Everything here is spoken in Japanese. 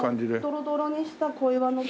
ドロドロにした小岩の土を。